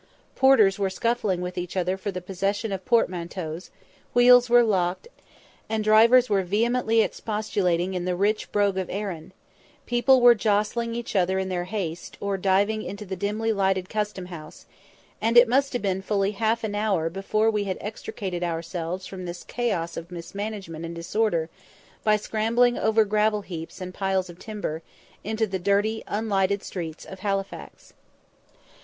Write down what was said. Porters were scuffling with each other for the possession of portmanteaus, wheels were locked, and drivers were vehemently expostulating in the rich brogue of Erin; people were jostling each other in their haste, or diving into the dimly lighted custom house, and it must have been fully half an hour before we had extricated ourselves from this chaos of mismanagement and disorder, by scrambling over gravel heaps and piles of timber, into the dirty, unlighted streets of Halifax.